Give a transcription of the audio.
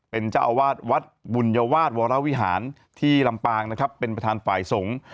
เป็นเจ้าอาวาสวัดบุญวาสวรวิหารที่ลำปางนะครับเป็นประธานฝ่ายสงฆ์